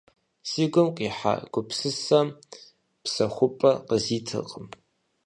Си гум къихьа гупсысэм псэхупӀэ къызитыркъым.